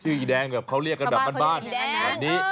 ชื่ออีแดงเขาเรียกกันแบบบ้านอย่างนี้